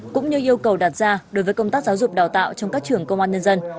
cũng như yêu cầu đặt ra đối với công tác giáo dục đào tạo trong các trường công an nhân dân